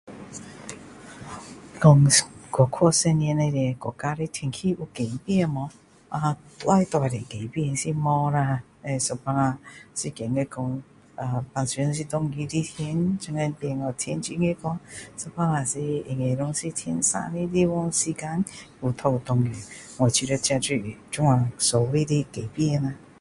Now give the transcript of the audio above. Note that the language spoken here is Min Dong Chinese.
说过去十年里面国家的天气有改变吗啊外在的改变是没有啦只是有时候是觉得说平时是下雨的天现今变成天很热掉平时应该是天晴的地方时间又一直下雨我觉得这就是这样所谓的改变啦